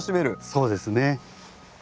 そうですね。